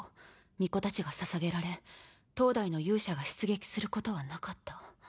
巫女たちがささげられ当代の勇者が出撃することはなかった」。